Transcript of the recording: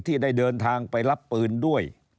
ที่ได้เดินทางไปรับปืนด้วย